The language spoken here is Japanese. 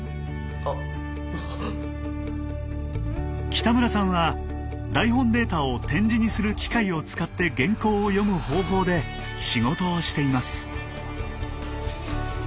北村さんは台本データを点字にする機械を使って原稿を読む方法で仕事をしています。